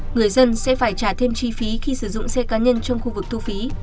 người dân sẽ phải trả thêm chi phí khi sử dụng xe cá nhân trong khu vực thu phí